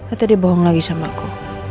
atau dia bohong lagi sama aku